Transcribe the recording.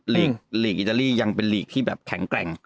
ลีกอิตาลียังเป็นหลีกที่แบบแข็งแกร่ง